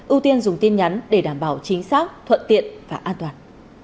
ưu tiên dùng tin nhắn để đảm bảo chính xác thuận tiện và an toàn